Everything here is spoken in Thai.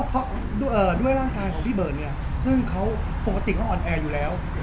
เพราะด้วยร่างกายของพี่เบิร์ตเนี่ยซึ่งเขาปกติเขาอ่อนแออยู่แล้ว